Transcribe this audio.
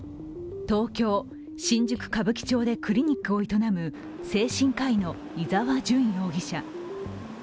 東京・新宿歌舞伎町でクリニックを営む精神科医の伊沢純容疑者。